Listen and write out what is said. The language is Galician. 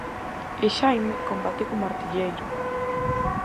E Xaime combate como artilleiro.